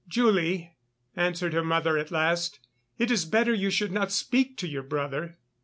"Julie," answered her mother at last, "it is better you should not speak to your brother."